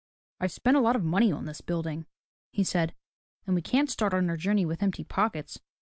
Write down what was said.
"I've spent a lot of money on this building," he said, "and we can't start on our journey with empty pockets.